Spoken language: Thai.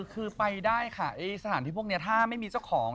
คือไปได้ค่ะสถานที่พวกนี้ถ้าไม่มีเจ้าของ